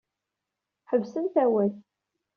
Ḥebsent awal.